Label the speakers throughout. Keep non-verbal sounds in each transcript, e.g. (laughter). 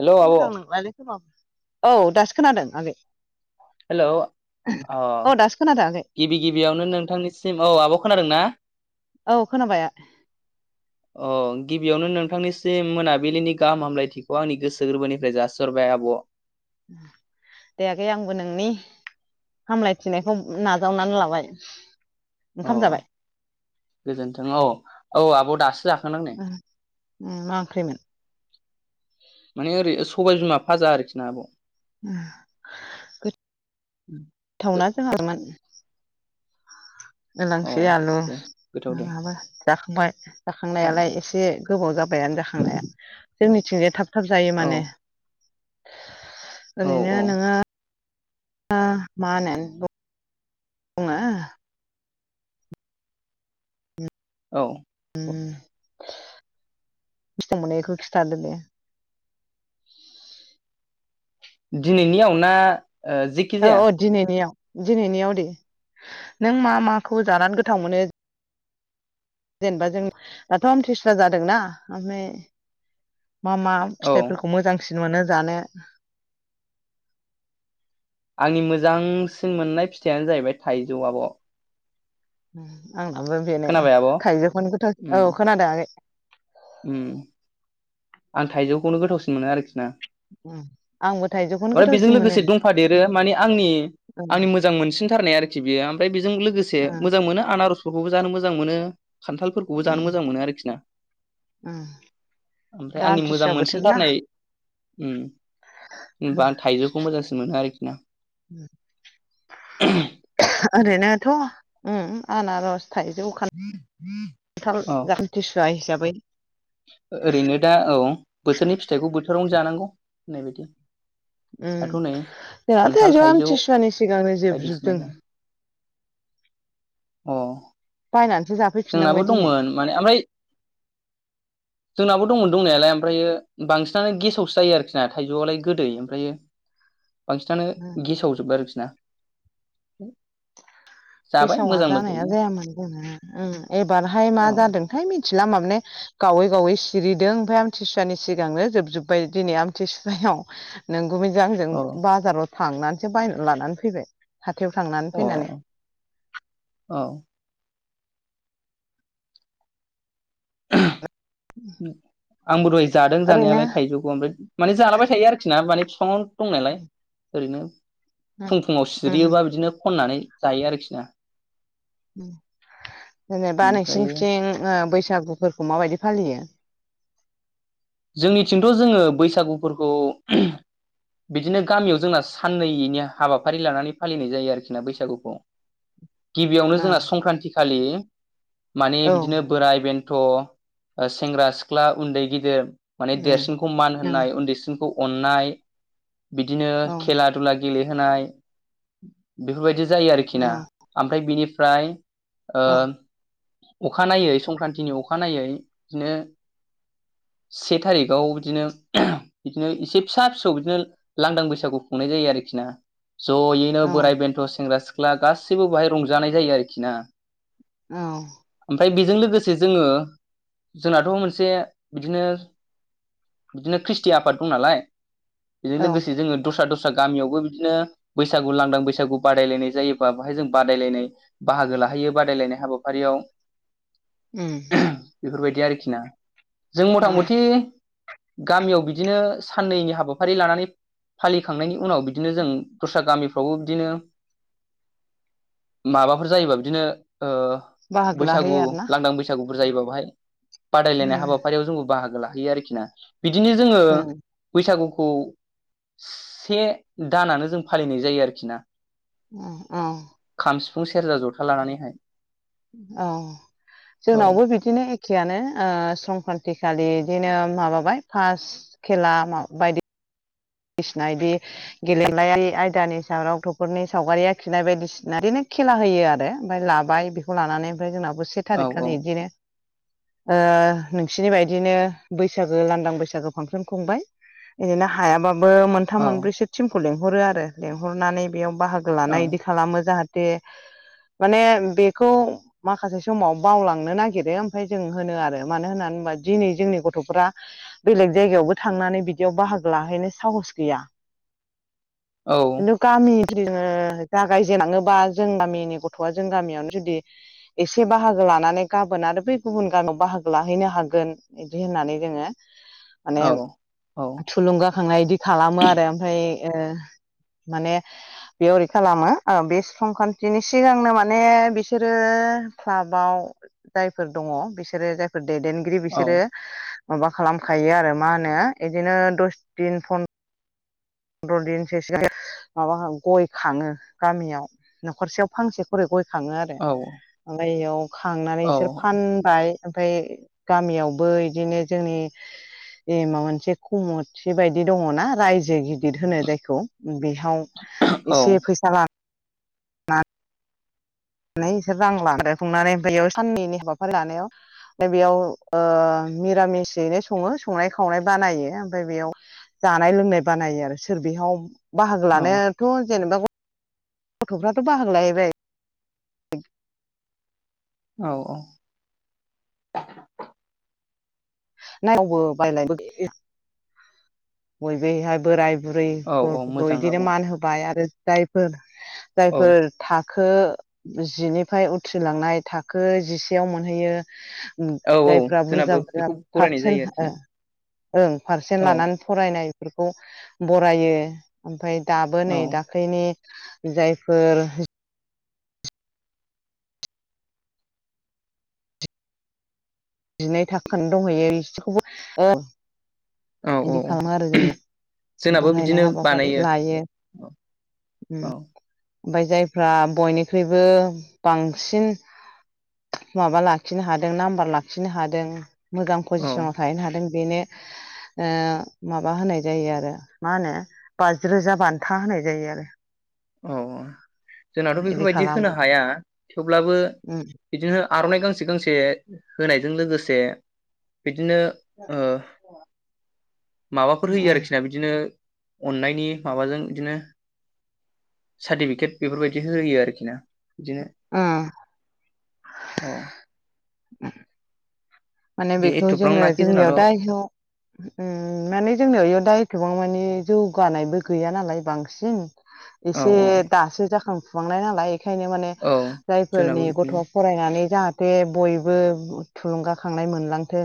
Speaker 1: Hello आब'
Speaker 2: मोजां नंलालै खोमा औ दासो खोनादों आगै।
Speaker 1: हेल' अ
Speaker 2: औ दासो खोनादों आगै
Speaker 1: गिबि गिबियावनो नोंथांनिसिम औ आब' खोनादों ना?
Speaker 2: औ खोनाबाय।
Speaker 1: अ गिबियावनो नोंथांनिसिम मोनाबिलिनि गाहाम हामलायथिखौ आंनि गोसो गोरबोनिफ्राय जासिहरबाय आब'।
Speaker 2: दे आगै आंबो नोंनि हामलायथिनायखौ नाजावनानै लाबाय।
Speaker 1: अ
Speaker 2: ओंखाम जाबाय
Speaker 1: गोजोनथों अ औ आब' दासो जाखांदों नै।
Speaker 2: उम मा ओंख्रिमोन?
Speaker 1: माने ओरै सबाय बिमा फाजा आरोखि ना आब'।
Speaker 2: उम गोथावना जोंहामोन
Speaker 1: अ
Speaker 2: इलांसि आलु
Speaker 1: दे गोथाव
Speaker 2: ना
Speaker 1: दे
Speaker 2: माबा जाखांबाय
Speaker 1: औ
Speaker 2: जाखांनायालाय एसे गोबाव जाब बायानो जाखांनाया जोंनिथिंजाय थाब थाब जायो
Speaker 1: औ
Speaker 2: माने।
Speaker 1: औ
Speaker 2: ओरैनो
Speaker 1: औ
Speaker 2: नोङो ओ मा होननानै बुंङो?
Speaker 1: औ
Speaker 2: बेसेबां मोनो बेखौ खिथादो दे।
Speaker 1: दिनैनियाव ना? ओ जेखि
Speaker 2: औ
Speaker 1: जाया
Speaker 2: अ दिनैनियाव दिनैनियाव दे नों मा माखौ जानानै गोथाव मोनो? जेनेबा जों दाथ' आमथिसुवा जादोंना ओमफाय मा मा
Speaker 1: औ
Speaker 2: फिथाइफोरखौ मोजांसिन मोनो जानो?
Speaker 1: आंनि मोजांसिन मोननाय फिथाइयानो जाहैबाय थाइजौ आब'।
Speaker 2: उम आंनाबो बेनो
Speaker 1: खोनाबाय आब'
Speaker 2: थाइजौखौनो
Speaker 1: उम
Speaker 2: गोथाव औ खोनादों आगै
Speaker 1: उम आं थाइजौखौनो गोथावसिन मोनो आरोखि ना।
Speaker 2: उम
Speaker 1: ओमफाय बेजों लोगोसे दंफादेरो माने आंनि
Speaker 2: ओं
Speaker 1: आंनि मोजां मोनसिनथारनाय आरोखि बेयो ओमफ्राय बेजों लोगोसे
Speaker 2: ओं
Speaker 1: मोजां मोनो आनारस फोरखौबो जानो मोजां मोनो खान्थालफोरखौबो जानो मोजां मोनो आरोखि ना।
Speaker 2: उम
Speaker 1: ओमफ्राय आंनि मोजां मोनसिनथारनाय उम होनबा थाइजौखौ मोजांसिन मोनो आरोखि ना।
Speaker 2: ओरैनोथ' उम आनारस थाइजौ खान्थाल
Speaker 1: औ
Speaker 2: आमथिसुवा हिसाबै।
Speaker 1: ओरैनो दा औ बोथोरनि फिथाइखौ बोथोरावनो जानांगौ होननाय बायदि।
Speaker 2: उम
Speaker 1: दाथ' नै
Speaker 2: जोंहा
Speaker 1: खान्थाल,
Speaker 2: थाइजौआ
Speaker 1: थाइजौ
Speaker 2: आमथिसुवानि सिगांनो
Speaker 1: बायदिसिना
Speaker 2: जोबजोबदों
Speaker 1: जायो। अ
Speaker 2: बायनानैसो जाफैफिननांबाय
Speaker 1: जोंनाबो
Speaker 2: दिनै
Speaker 1: दंमोन माने ओमफाय (inaudible) जोंनाबो दंमोन दंनायालाय ओमफ्रायो बांसिनानो गेसावसो जायो आरोखि ना थाइजौआलाय गोदै ओमफ्रायो बांसिनानो
Speaker 2: उम
Speaker 1: गेसावजोब आरोखि ना जाबाय
Speaker 2: गेसावा
Speaker 1: मोजां
Speaker 2: जानाया
Speaker 1: मोजां
Speaker 2: जायामोन जोंना उम एबारहाय मा
Speaker 1: औ
Speaker 2: जादोंथाय मिथ थिला माबने गावै गावै सिरिदों ओमफाय आमथिसुवानि सिगांनो जोबजोब्बाय दिनै आमथिसुवाया (unintelligible) नों गुमैजों आंजों
Speaker 1: औ
Speaker 2: बाजाराव थांनानैसो बायनानै लानानै फैबाय हाथायाव थांनानै
Speaker 1: औ
Speaker 2: फैनानै
Speaker 1: (inaudible) औ ओह
Speaker 2: (inaudible)
Speaker 1: आंबो दहाय जादों
Speaker 2: ओरैनो
Speaker 1: जानायालाय थाइजौखौ ओमफ्राय माने जालाबाय थायो आरोखि ना माने बिफांङावनो दंनायलाय ओरैनो फुं फुुंङाव
Speaker 2: उम
Speaker 1: सिरियोबा बिदिनो खननानै जायो आरोखि ना
Speaker 2: (inaudible) जेनेबा
Speaker 1: ओमफ्रायो
Speaker 2: नोंसिनिथिं ओ बैसाग सागुफोरखौ माबायदि फालियो?
Speaker 1: जोंनिथिंथ' जोङो बैसागुफोरखौ बिदिनो गामियाव जोंना साननैनि हाबाफारि लानानै फालिनाय जायो आरोखि ना बैसागुखौ गिबियावनो
Speaker 2: औ
Speaker 1: जोंना संक्रान्ति खालि माने
Speaker 2: औ
Speaker 1: बिदिनो बोराइ बेन्थ' सेंग्रा सिख्ला उन्दै गिदिर माने
Speaker 2: उम
Speaker 1: देरसिनखौ मान
Speaker 2: औ
Speaker 1: होनाय उन्दैसिनखौ अननाय बिदिनो
Speaker 2: औ
Speaker 1: खेला दुला गेलेहोनाय बेफोरबायदि जायो आरोखि ना अमफ्राय बिनिफ्राय ओ
Speaker 2: औ
Speaker 1: अखानायै संक्रान्तिनि अखानायै बिदिनो से थारिखाव बिदिनो बिदिनो इसे फिसा फिसौ बिदिनो लांदां बैसागु खुंनाय जायो आरोखि (unintelligible) जयैनो
Speaker 2: औ
Speaker 1: बोराय बेन्थ' सेंग्रा सिख्ला गासैबो बहाय रंजानाय जायो आरोखि ना
Speaker 2: औ
Speaker 1: फाय बेजों लोगोसे जोङो जोंनाथ' मोनसे बिदिनो बिदिनो ख्रिस्टि आफाद दं नालाय बेजों
Speaker 2: औ
Speaker 1: लोगोसे जोङो दस्रा दस्रा (unintelligible) गामियावबो बिदिनो बैसागु लांदां बैसागु बादायलायनाय जायोबा बाहाय जों बायलायनाय बाहागो ला लाहैयो बादायलायनाय हाबाफारियाव
Speaker 2: उ
Speaker 1: बेफोरबायदि आरोखि ना जों मथा मथि गामियाव बिदिनो साननैनि हाबाफारि लानानै फालिखांनायनि उनाव बिदिनो जों दस्रा गामिफ्रावबो बिदिनो माबाफोर जायोबा बिदिनो ओ
Speaker 2: बाहागो
Speaker 1: बैसागु
Speaker 2: लाहैयो आरोना
Speaker 1: लांदां बैसागुफोर जायोबा बाहाय बादायलायनाय
Speaker 2: उम
Speaker 1: हाबाफारियाव जोंबो बाहागो लाहैयो आरोखि ना बिदिनो जोङो
Speaker 2: उम
Speaker 1: बैसागु खौ से दानानो जों फालिनाय जायो आरोखि ना
Speaker 2: उ उ
Speaker 1: खाम सिफुं सेरजा जथा लानानैहाय
Speaker 2: औ
Speaker 1: औ
Speaker 2: जोंनावबो बिदिनो एखेयानो ओ संक्रान्तिखालि दिनो माबाबाय फास खेला बायदि बायदिसिना इदि गेलेनायायारि आयदानि सायाव र गथ'फोरनि सावगारि आखिनाय बायदिसिना बिदिनो खेला होयो आरो ओमफफ्राय लाबाय बेखौ लानानै ओमफ्राय जोंनाबो से
Speaker 1: औ
Speaker 2: थारिखखालि बिदिनो ओ नोंसिनि बायदिनो बैसागो लांदां बैसागो फांसन खुंबाय बिदिनो हायाबा बो मोनथाम
Speaker 1: औ
Speaker 2: मोनब्रैसो टिमखौ लिंहरो आरो लेंहरनानै बेयाव बाहागो
Speaker 1: औ
Speaker 2: लानाय बिदि खालामो जाहाथे ते माने बेखौ माखासे समाव बावलांनो नागिरो ओमफ्राय जों होनो आरो मानो होननानै मा दिनै जोंनि गथ'फ्रा बेलेग जायगायावबो थांनानै बिदियाव बाहागो लाहैनोसै साहस गैया
Speaker 1: औ
Speaker 2: खिन्थु गामि जोङो जागायजेनाङोबा जों गामिनि गथ'आ जों गामियावनो जुदि एसे बाहागो लानानै गाबोन आरो बै गुबुन गामियाव बाहागो लाहैनो हागोन बिदि होननानै जोङो
Speaker 1: औ
Speaker 2: माने
Speaker 1: औ
Speaker 2: थुलुंगाखांनाय इदि खालामो आरो ओमफ्राय ओ। माने बे ओरै खालामो बे संखान्थिनि सिगांनो माने बिसोरो क्लाबाव जायफोर दङ बिसोरो जायफोर दैदेनगिरि
Speaker 1: औ
Speaker 2: बिसोरो माबा खालामखायो आरो मा होनो बिदिनो दस दिनो फन न्दनो (unintelligible) माबा गय खाङो गामियाव न'खरसेयाव फांसे खरै गय खाङो आरो
Speaker 1: औ
Speaker 2: ओमफ्राय बेयाव खांनानै बिसोर फानबाय ओमफ्राय गामियावबो इदिनो जोंनि ए माबा मोनसे खमथि बायदि दङना रायजो गिदिर होनो जायखौ बेहाव एसे फैसा ला नाय इसोर रां लादो खुंनानै ओमफ्राय बेयाव साननैनि हाबाफारि लानायाव ओमफ्राय बेयाव ओ मिरामिसयैनो सङो संनाय खावनाय बानायो ओमफ्राय बेयाव जानाय लोंनाय बानायो आरो सोर बेहाव बाहागो लानायाथ' जेनेबा गथ'फ्राथ' बाहागो लायैबाय
Speaker 1: औ औ
Speaker 2: नायावबो बायलायबो बयबोहाय बोराय बुरै
Speaker 1: औ औ
Speaker 2: गर
Speaker 1: मोजां
Speaker 2: बिदिनो
Speaker 1: आब'
Speaker 2: मान होबाय आरो जायफोर
Speaker 1: औ
Speaker 2: जायफोर था थाखो जिनिफ्राय उथ्रिलांनाय थाखो जिसेयाव मोनहैयो
Speaker 1: औ औ
Speaker 2: जायफ्रा बुरजा
Speaker 1: जोंनाबो
Speaker 2: बुरजा
Speaker 1: बेखौ बरायनाय जायो
Speaker 2: पारसेन्ट
Speaker 1: आरोखि
Speaker 2: ओ
Speaker 1: ना।
Speaker 2: ओं पारसेन्ट
Speaker 1: औ
Speaker 2: लानानै फराय नायफोरखौ बरायो ओमफ्राय दाबो
Speaker 1: औ
Speaker 2: नै दाख्लैनि जायफोर जिनाय थाखोन दंहैयो बिसोरखौबो औ।
Speaker 1: औ औ जोंनाबो
Speaker 2: बरायनाय
Speaker 1: बिदिनो
Speaker 2: हाबाफारि
Speaker 1: बानायो
Speaker 2: लायो
Speaker 1: औ
Speaker 2: ओमफ्राय जायफ्रा बयनिख्रुइबो बांसिन माबा लाखिनो हादों नाम्बार लाखिनो हादों। मोजां
Speaker 1: औ
Speaker 2: पजिसनाव थाहैनो हादों बेनो ओ माबा होनाय जायो आरो मा होनो बाज रोजा बान्था होनाय जायो आरो
Speaker 1: औ जोंनाथ'
Speaker 2: बिदि
Speaker 1: बेफोरबायदि
Speaker 2: खालामो
Speaker 1: होनो हाया थेवब्लाबो
Speaker 2: उम
Speaker 1: बिदिनो आर'नाइ गांसे गांसे होनायजों लोगोसे बिदिनो ओ माबाफोर होयो
Speaker 2: उम
Speaker 1: आरोखि ना बिदिनो अननायनि माबाजों बिदिनो सार्टिफिकेट बेफोरबायदि होयो आरोखि ना बिदिनो
Speaker 2: उम
Speaker 1: औ
Speaker 2: (inaudible) माने
Speaker 1: बिदि
Speaker 2: बेखौ जोङो
Speaker 1: एथ'फ्रांनाखि
Speaker 2: जोंनियाव
Speaker 1: जोंनाथ' औ
Speaker 2: दा उम माने जोंनियाव इयाव दाथबां मानि जौगानायबो गैया नालाय बांसिन एसे
Speaker 1: औ
Speaker 2: दासो जाखां फुहांनाय नालाय बेखायनो माने
Speaker 1: औ जोंनाबो
Speaker 2: जायफोरनि गथ'
Speaker 1: बिदिनो
Speaker 2: फरायनानै जाहाथे बयबो थुलुंगा खांनाय मोनलांथों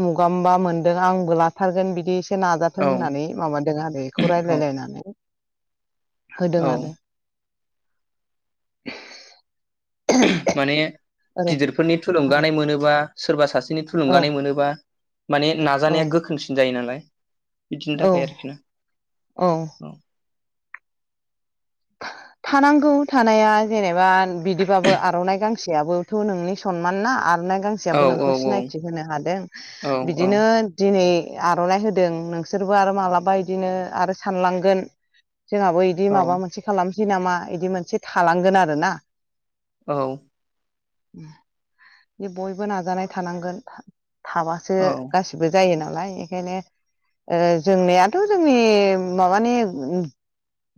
Speaker 2: उमुगाबा मोनदों आंबो लाथारगोन बिदि एसे नाजाथों
Speaker 1: औ
Speaker 2: होननानै माबादों आरो बेखौ
Speaker 1: औ
Speaker 2: राय्लायलायनानै होदों
Speaker 1: औ
Speaker 2: आरो। (inaudible)
Speaker 1: माने
Speaker 2: ओरै
Speaker 1: गिदिरफोरनि थुलुंगानाय मोनोबा सोरबा सासेनि
Speaker 2: औ
Speaker 1: थुलुंगानाय मोनोबा माने
Speaker 2: औ
Speaker 1: नाजानाया गोख्रोंसिन जायो नालाय। बिदिनि
Speaker 2: औ
Speaker 1: थाखाय आरोखि ना औ।
Speaker 2: थानांगौ थानाया जेनेबा बिदिबाबो आर'नाइ गांसेयाबोथ' नोंनि सनमान ना। आरनाय
Speaker 1: औ
Speaker 2: गांसेयाबबो
Speaker 1: औ
Speaker 2: नोंखौ
Speaker 1: औ
Speaker 2: सिनायथि होनो हादों
Speaker 1: औ
Speaker 2: बिदिनो दिनै आर'नाइ होदों नोंसोरबो आरो मालाबा इदिनो आरो सानलांगोन। जोंहाबो बिदि
Speaker 1: औ
Speaker 2: माबा मोनसे खालामसै नामा बिदि मोनसे थालांगोन आरोना।
Speaker 1: औ।
Speaker 2: बयबो नाजानाय थानांगोन। थाबासो
Speaker 1: औ
Speaker 2: गासिबो जायो ना। लाय एखायनो ओ जोंनायाथ' जोंनि माबानि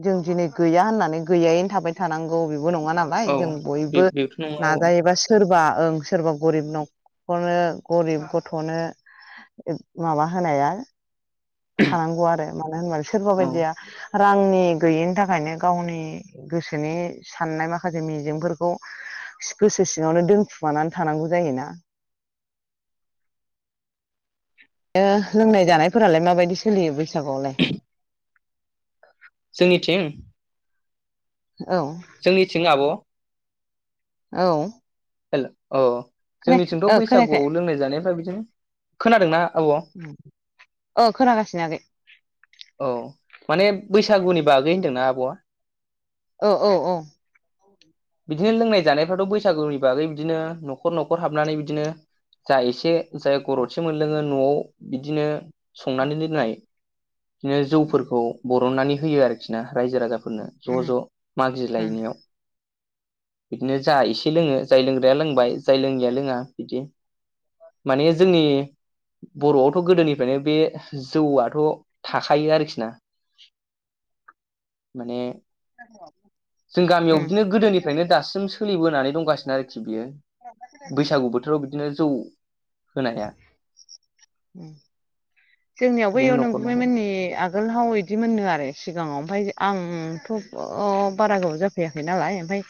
Speaker 2: जों दिनै गैया होननानै गैयायैनो थाबाय थानांगौ बे बो नंङा नालाय
Speaker 1: औ
Speaker 2: जों
Speaker 1: बे
Speaker 2: बयबो
Speaker 1: बेथ' नङा औ
Speaker 2: नाजायोबा सोरबा ओं सोरबा गरिब न'खरनो गरिब गथ'नो माबा होनाया थानांगौ आरो मानो होनबा सोरबा
Speaker 1: औ
Speaker 2: बायदिया रांनि गैयैनि थाखायनो गावनि गोसोनि साननाय माखासे मिजिंफोरखौ गोसो सिङांवनो दोनखुमानानै थानांगौ जायोना।
Speaker 1: (inaudible)
Speaker 2: ओ लोंनाय जानायफोरालाय माबायदि सोलियो बैसागुआवलाय?
Speaker 1: जोंनिथिं?
Speaker 2: औ
Speaker 1: जोंनिथिं ना आब'?
Speaker 2: औ।
Speaker 1: हेलौ अ।
Speaker 2: खोनायाखै
Speaker 1: जोंनिथिंथ'
Speaker 2: ओ खोनायाखै
Speaker 1: बैसागुआव लोंनाय जानायफ्रा बिदिनो। खोनादोंना आब'?
Speaker 2: अ खोनागासिनो आगै।
Speaker 1: औ माने बैसागुनि बागै होन्दोंना आब'आ?
Speaker 2: औ औ औ।
Speaker 1: बिदिनो लोंनाय जानायफ्राथ' बैसागुनि बागै बिदिनो न'खर न'खर हाबनानै बिदिनो जा एसे जाय गरदसे मोनलोङो न'आव बिदिनो संनानै दोननाय बिदिनो
Speaker 2: उम
Speaker 1: जौफोरखौ बरननानै होयो आरोखि ना। रायजो राजाफोरनो ज'
Speaker 2: उम
Speaker 1: ज'
Speaker 2: उम
Speaker 1: मागिलायनायाव। बिदिनो जा एसे लोंङो जाय लोंग्राया लोंबाय जाय लोंङैया लोंङा बिदि। माने जोंनि बर'आवथ' गोदोनिफ्रायनो बे जौआथ' थाखायो आरोखि ना। माने
Speaker 2: उम्म।
Speaker 1: निफ्रायनो दासिम सोलिबोनानै दंगासिनो आरोखि बियो बैसागु बोथोराव बि बिदिनो जौ होनाया
Speaker 2: (unintelligible) जोंनियावबो
Speaker 1: बिदिनो
Speaker 2: एयाव
Speaker 1: न'खर
Speaker 2: नंगुमै
Speaker 1: न'खर
Speaker 2: मोननि आगोल हाव बिदि मोननो आरो सिगांङाव ओमफाय आंथ' बारा गोबाव जाफैयाखै नालाय ओमफ्राय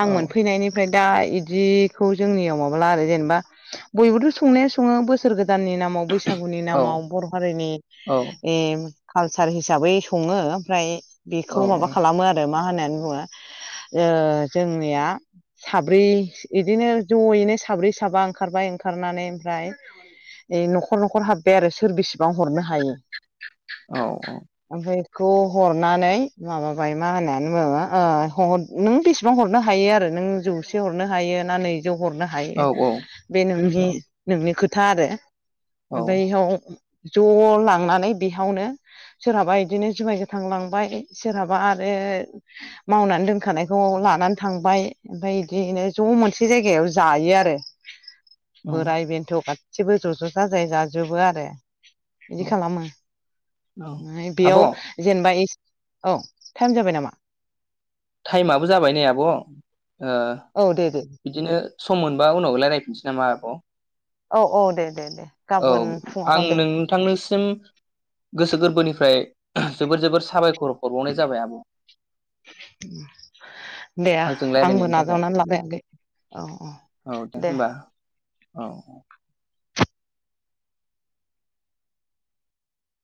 Speaker 2: आं
Speaker 1: औ
Speaker 2: मोनफैनायनिफ्राय दा इदिखौ जोंनियाव माबाला आरो जेनेबा बयबोथ' संनाया संङो बोसोर गोदान गोदाननि नामाव बैसागुनि
Speaker 1: औ
Speaker 2: नामाव बर' हारिनि
Speaker 1: औ
Speaker 2: कालसार हिसाबै संङो ओमफ्राय
Speaker 1: औ
Speaker 2: बेखौ माबा खालामो आरो मा होननानै बुंङो? ओ जोंनिया साब्रै इदिनो ज'यैनो साब्रै साबा ओंखारबाय ओंखारनानै ओमफ्राय ओ न'खर न'खर हाबबाय आरो सोर बेसेबां हरनो हायो।
Speaker 1: औ औ।
Speaker 2: खौ हरनानै माबाबाय मा होननानै बुंङो ओ नों बेसेबां हरनो हायो आरो। नों जौसे हरनो हायो ना नै जौ हरनो हायो
Speaker 1: औ
Speaker 2: बे नोंनि नोंनि खोथा आरो।
Speaker 1: औ
Speaker 2: ओमफ्राय हाव ज' लांनानै बेहावनो सोरहाबा इदिनो जुमाय गोथांलांबाय सोरहाबा आरो मावनानै दोनखानायखौ लानानै थांबाय ओमफ्राय बिदिनो ज' मोनसे जायगायाव जायो आरो
Speaker 1: औ
Speaker 2: बोराय बेन्थु' गासिबो ज' ज' जाजाय जाजोबो आरो बिदि
Speaker 1: औ
Speaker 2: खालामो
Speaker 1: औ
Speaker 2: फ्राय
Speaker 1: आब'
Speaker 2: बेयाव जेनेबा ए औ टाइम जाबाय नामा?
Speaker 1: टाइमाबो जाबाय नै आब' ओ
Speaker 2: औ दे दे
Speaker 1: बिदिनो सम मोनबा उनावलायराफिननोसै नामा आब'
Speaker 2: औ औ दे दे दे
Speaker 1: औ
Speaker 2: गाबोन फुङाव
Speaker 1: आं
Speaker 2: हरदो
Speaker 1: नोंथांनिसिम गोसो गोरबोनिफ्राय जोबोर जोबोर साबायखर हरबावनाय जाबाय आब'
Speaker 2: (inaudible) दे
Speaker 1: आंजों
Speaker 2: आंबो
Speaker 1: रायज्लायनायनि थाखाय
Speaker 2: नाजावनानै लाबायाखै औ औ दे।
Speaker 1: औ औ।